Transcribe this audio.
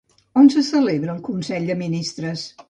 On se celebrarà el consell de ministres?